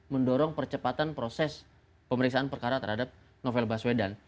mendorong percepatan proses pemeriksaan perkara terhadap novel baswedan